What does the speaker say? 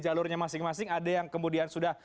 jalurnya masing masing ada yang kemudian sudah